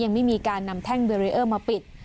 ยังไม่มีการนำแท่งเบรีเออร์มาปิด